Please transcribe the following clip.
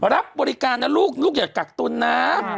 รับบริการนะลูกลูกอย่ากักตุลนะ